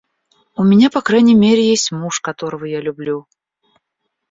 У меня по крайней мере есть муж, которого я люблю.